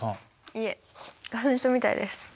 いえ花粉症みたいです。